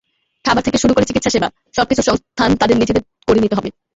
খাবার থেকে শুরু করে চিকিৎসাসেবা, সবকিছুর সংস্থান তাঁদের নিজেদের করে নিতে হবে।